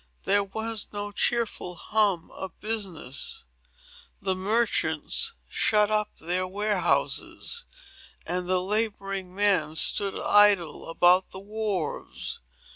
There was no cheerful hum of business. The merchants shut up their warehouses, and the laboring men stood idle about the wharves.